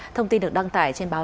thông tin được đăng tải trên báo